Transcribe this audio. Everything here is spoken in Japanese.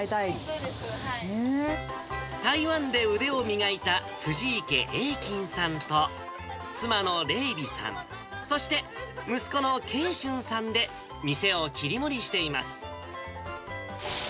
台湾で腕を磨いた藤池えいきんさんと、妻の麗美さん、そして息子のけいしゅんさんで、店を切り盛りしています。